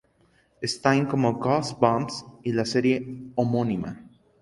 Stine como "Goosebumps" y la serie homónima.